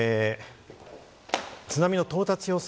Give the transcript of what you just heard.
津波の到達予想